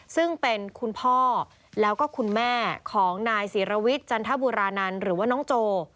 ซึ่งเป็นคุณพ่อแล้วก็คุณแม่ของนายศิรวิทย์จันทบุรานันต์หรือว่าน้องโจ